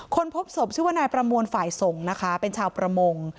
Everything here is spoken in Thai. พบศพชื่อว่านายประมวลฝ่ายส่งนะคะเป็นชาวประมง